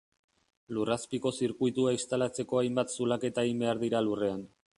Lurrazpiko zirkuitua instalatzeko hainbat zulaketa egin behar dira lurrean.